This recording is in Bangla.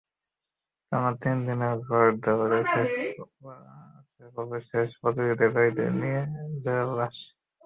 টানা তিন দিনের ঘোড়দৌড়ের শেষ পর্বে শেষ প্রতিযোগিতায় জয়ীদের নিয়ে চলে জয়োল্লাস।